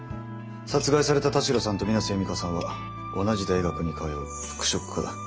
殺害された田代さんと水無瀬弓花さんは同じ大学に通う服飾科だ。